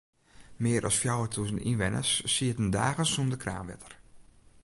Mear as fjouwertûzen ynwenners sieten dagen sûnder kraanwetter.